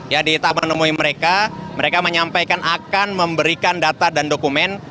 ya di taman nemui mereka mereka menyampaikan akan memberikan data dan dokumen